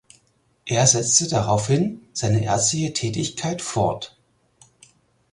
Er setzte daraufhin seine ärztliche Tätigkeit fort.